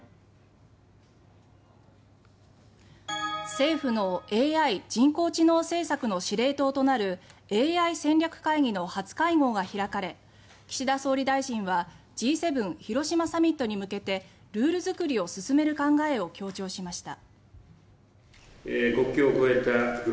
政府のＡＩ・人工知能政策の司令塔となるＡＩ戦略会議の初会合が開かれ岸田総理大臣はＧ７広島サミットに向けてルール作りを進める考えを強調しました。